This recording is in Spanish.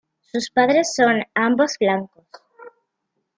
Sus padres son ambos blancos.